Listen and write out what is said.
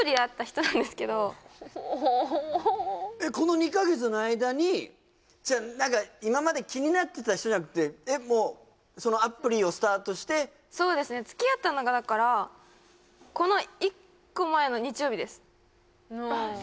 そのオホホホえっこの２カ月の間にじゃあ何か今まで気になってた人じゃなくてえっもうアプリをスタートしてそうですね付き合ったのがだからこの１個前の日曜日ですああ